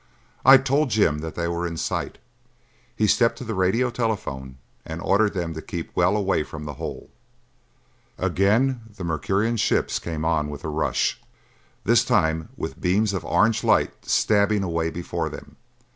I told Jim that they were in sight; he stepped to the radio telephone and ordered them to keep well away from the hole. Again the Mercurian ships came on with a rush, this time with beams of orange light stabbing a way before them.